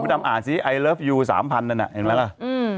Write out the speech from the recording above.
พี่ดำอ่านสิไอเลิฟยูสามพันธุ์นั่นน่ะเห็นไหมล่ะอืมอ่า